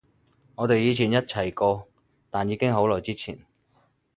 我哋以前一齊過，但已經好耐之前